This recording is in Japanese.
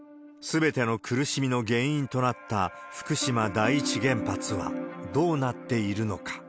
すべての苦しみの原因となった福島第一原発はどうなっているのか。